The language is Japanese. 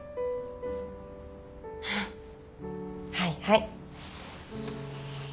はいはい。